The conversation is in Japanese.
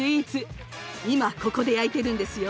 今ここで焼いてるんですよ。